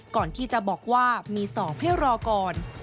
ก่อนที่จะบอกว่ามีสอบให้รอก่อน